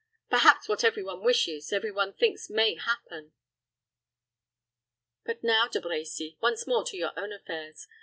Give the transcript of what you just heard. Perhaps what every one wishes, every one thinks may happen. But now, De Brecy, once more to your own affairs.